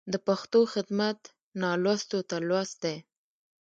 د پښتو خدمت نالوستو ته لوست دی.